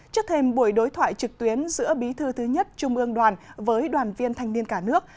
trước thêm buổi đối thoại trực tuyến giữa bí thư thứ nhất trung ương đoàn với đoàn viên thanh niên cả nước